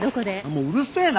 もううるせえな！